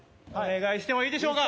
お願いしてもいいでしょうか？